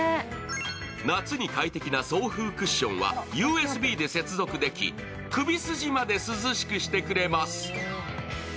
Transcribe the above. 夏に快適な送風クッションはＵＳＢで接続でき、首筋まで涼しくしてくれます。